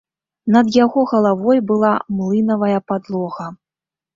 Над яго галавой была млынавая падлога.